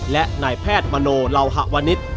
และนายแพทย์มโนเหล่าหะวนิษฐ์